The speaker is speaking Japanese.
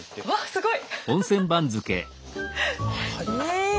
すごい！え！